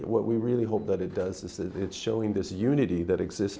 bởi vì họ là cơ hội tốt nhất